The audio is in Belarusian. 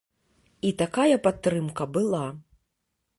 І такая падтрымка была.